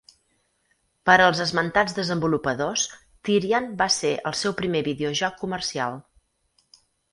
Per als esmentats desenvolupadors, "Tyrian" va ser el seu primer videojoc comercial.